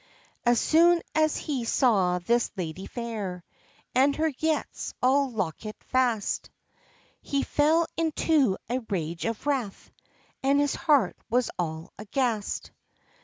As soon as he saw this ladye fair. And her yetts all lockit fast, He fell into a rage of wrath, And his heart was all aghast.